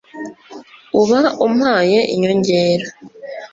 uba umpaye inyongera